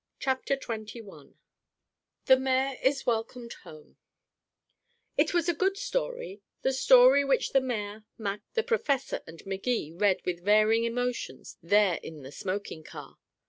CHAPTER XXI THE MAYOR IS WELCOMED HOME It was a good story the story which the mayor, Max, the professor and Magee read with varying emotions there in the smoking car.